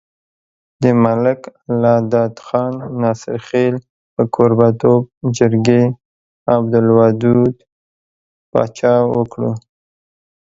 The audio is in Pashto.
د ملک الله داد خان ناصرخېل په کوربه توب جرګې عبدالودو باچا کړو۔